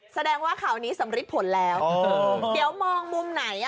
แสดงว่าข่าวนี้สำริดผลแล้วเดี๋ยวมองมุมไหน